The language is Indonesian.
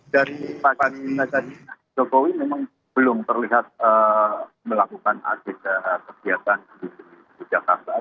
dari pagi tadi jokowi memang belum terlihat melakukan update kegiatan di jakarta